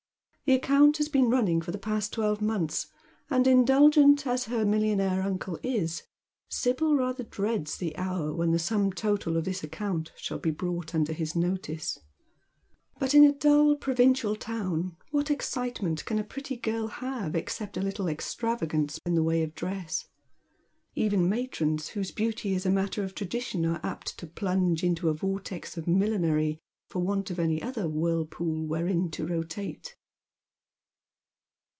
The account has been running for the past twelve months, and indulgent as her millionaire uncle is, Sibyl rather dreads the hour when the sum total of this account shall be brought iinder his notice. But in a dull provincial town what excitement can a pretty girl have except a little extravagance in the way of dross ? Even matrons whose beauty is a matter of tradition are apt to plunge into a vortex of millinery for want of any other whirlpool wherein to rotate.